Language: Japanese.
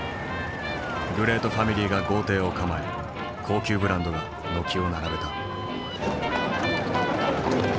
グレートファミリーが豪邸を構え高級ブランドが軒を並べた。